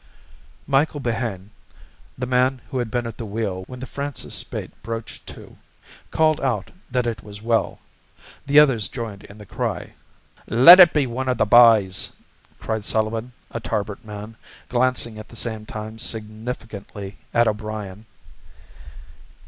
Michael Behane, the man who had been at the wheel when the Francis Spaight broached to, called out that it was well. The others joined in the cry. "Let it be one of the b'ys!" cried Sullivan, a Tarbert man, glancing at the same time significantly at O'Brien.